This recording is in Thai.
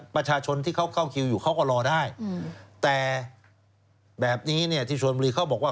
ประชาชนที่เขาเข้าคิวอยู่เขาก็รอได้แต่แบบนี้เนี่ยที่ชนบุรีเขาบอกว่า